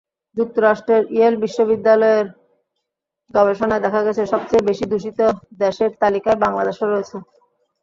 যুক্তরাষ্ট্রের ইয়েল বিশ্ববিদ্যালয়ের গবেষণায় দেখা গেছে, সবচেয়ে বেশি দূষিত দেশের তালিকায় বাংলাদেশও রয়েছে।